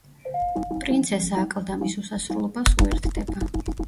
პრინცესა აკლდამის უსასრულობას უერთდება.